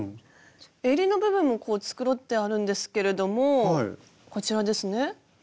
えりの部分もこう繕ってあるんですけれどもこちらですね。